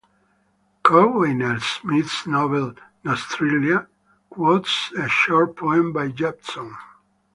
Cordwainer Smith's novel "Norstrilia" quotes a short poem by Judson.